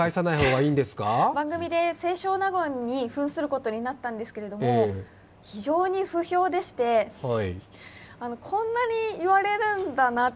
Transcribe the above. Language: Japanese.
番組で清少納言にふんすることになったんですけれども、非常に不評でして、こんなに言われるんだなって。